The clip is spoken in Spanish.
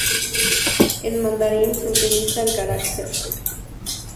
En mandarín se utiliza el carácter 分.